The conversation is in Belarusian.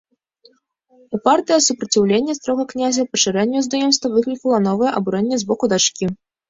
Упартае супраціўленне старога князя пашырэнню знаёмства выклікала новае абурэнне з боку дачкі.